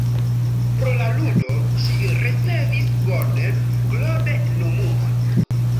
Pro la ludo, ŝi ricevis Golden Globe-nomumon.